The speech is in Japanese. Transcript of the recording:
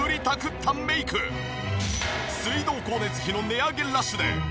水道光熱費の値上げラッシュで。